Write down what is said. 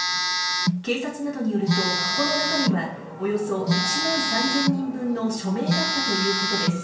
警察などによると、箱の中身はおよそ１万３０００人分の署名だったということです。